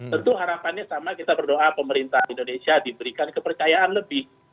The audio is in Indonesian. tentu harapannya sama kita berdoa pemerintah indonesia diberikan kepercayaan lebih